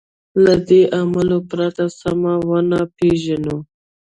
له دې علومو پرته سمه ونه پېژنو.